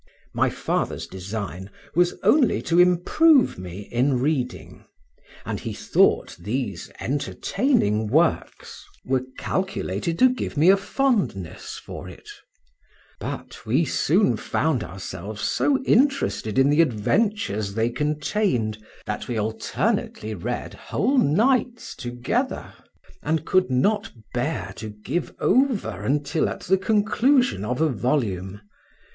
My father's design was only to improve me in reading, and he thought these entertaining works were calculated to give me a fondness for it; but we soon found ourselves so interested in the adventures they contained, that we alternately read whole nights together, and could not bear to give over until at the conclusion of a volume.